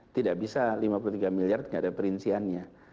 tidak bisa lima puluh tiga miliar tidak ada perinciannya